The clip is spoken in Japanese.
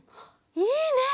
いいね！